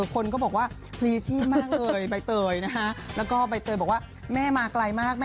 คนก็บอกว่าพลีชีพมากเลยใบเตยนะคะแล้วก็ใบเตยบอกว่าแม่มาไกลมากแม่